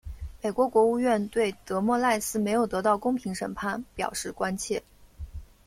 美国国务院对德莫赖斯没有得到公平审判表示关切。